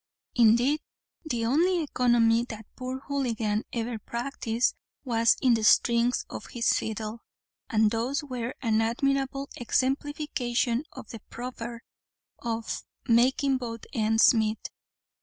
Indeed, the only economy that poor Houligan ever practised was in the strings of his fiddle, and those were an admirable exemplification of the proverb of "making both ends meet."